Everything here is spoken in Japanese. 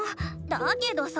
だけどさ。